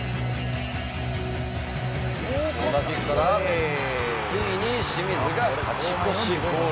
コーナーキックからついに清水が勝ち越しゴール。